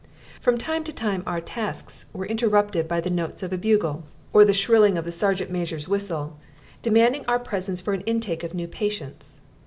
From time to time our tasks were interrupted by the notes of a bugle or the shrilling of the Sergeant Major's whistle demanding our presence for an intake of new patients.